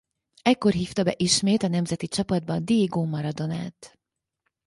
Ekkor hívta be ismét a nemzeti csapatba Diego Maradonat.